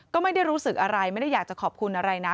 ก็ไม่ได้รู้สึกอะไรไม่ได้อยากจะขอบคุณอะไรนะ